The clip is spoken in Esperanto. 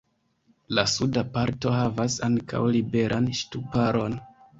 La suda parto havas ankaŭ liberan ŝtuparon.